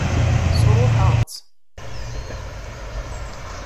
Sṛuḥeɣ-tt.